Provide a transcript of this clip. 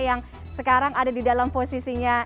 yang sekarang ada di dalam posisinya